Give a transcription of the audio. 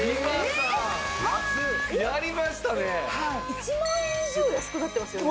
１万円以上安くなってますよね。